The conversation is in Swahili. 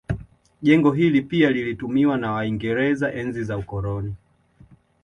Jengo hili pia lilitumiwa na waingereza enzi za ukoloni